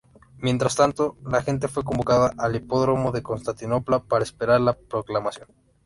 Mientras tanto, la gente fue convocada al hipódromo de Constantinopla para esperar la proclamación.